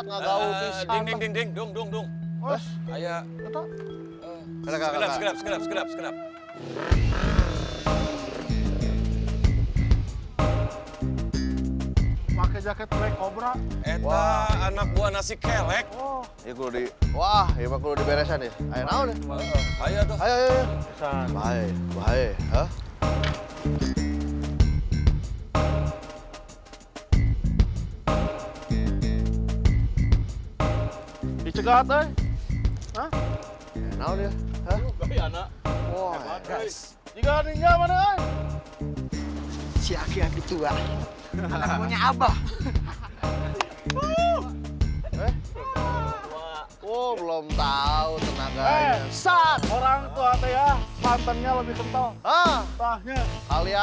tidak tahu petunjuknya sama sekali